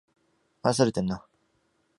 愛されてるな